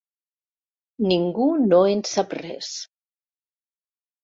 Ningú no en sap res.